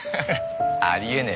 ありえねえ